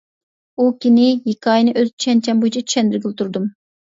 ئۇ كۈنى ھېكايىنى ئۆز چۈشەنچەم بويىچە چۈشەندۈرگىلى تۇردۇم.